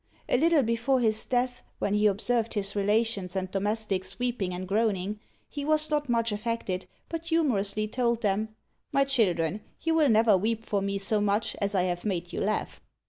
A little before his death, when he observed his relations and domestics weeping and groaning, he was not much affected, but humorously told them, "My children, you will never weep for me so much as I have made you laugh."